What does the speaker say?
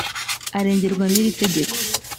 arengerwa n iri tegeko